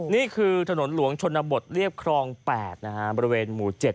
นี่คือถนนหลวงชนบทเรียบครอง๘บริเวณหมู่๗